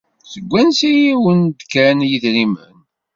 Seg wansi ay awen-d-kkan yidrimen?